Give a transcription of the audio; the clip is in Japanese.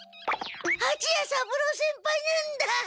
はちや三郎先輩なんだ！